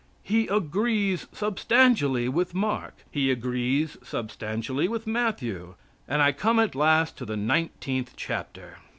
He agrees substantially with Mark; he agrees substantially with Matthew; and I come at last to the nineteenth chapter.